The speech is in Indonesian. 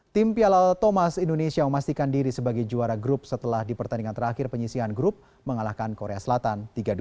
tim piala thomas indonesia memastikan diri sebagai juara grup setelah di pertandingan terakhir penyisian grup mengalahkan korea selatan tiga dua